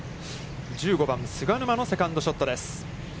１５番、菅沼のセカンドショットです。